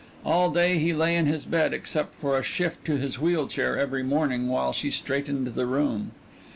All day he lay in his bed, except for a shift to his wheel chair every morning while she straightened the room.